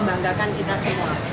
membanggakan kita semua